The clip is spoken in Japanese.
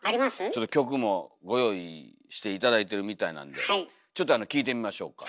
ちょっと曲もご用意して頂いてるみたいなんでちょっとあの聴いてみましょうか。